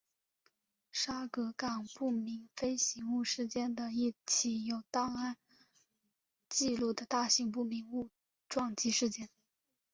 沙格港不明飞行物事件的一起有档案记录的大型不明物体撞击事件。